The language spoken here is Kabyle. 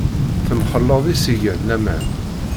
Temxelleḍ i s-igan laman.